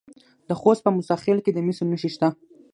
د خوست په موسی خیل کې د مسو نښې شته.